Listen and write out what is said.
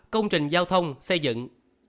ba công trình giao thông xây dựng